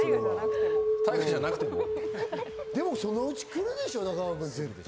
でもそのうち来るでしょう。